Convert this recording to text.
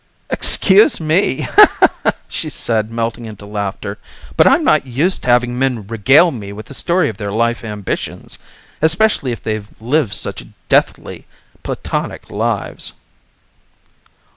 "Excuse me," she said melting into laughter, "but I'm not used to having men regale me with the story of their life ambitions especially if they've lived such deathly platonic lives."